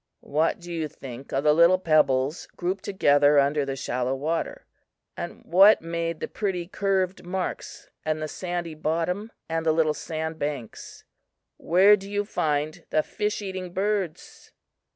"What do you think of the little pebbles grouped together under the shallow water? and what made the pretty curved marks in the sandy bottom and the little sand banks? Where do you find the fish eating birds?